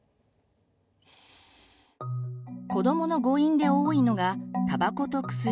子どもの誤飲で多いのがたばこと薬。